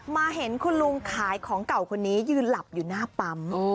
เห็นคุณลุงขายของเก่าคนนี้ยืนหลับอยู่หน้าปั๊ม